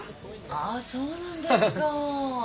ああそうなんですか。